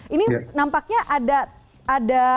ini nampaknya ada